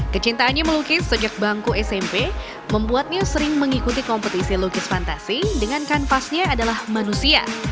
kecintaannya melukis sejak bangku smp membuat new sering mengikuti kompetisi lukis fantasi dengan kanvasnya adalah manusia